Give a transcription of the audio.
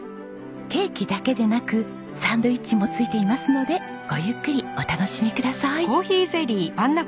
ケーキだけでなくサンドイッチも付いていますのでごゆっくりお楽しみください。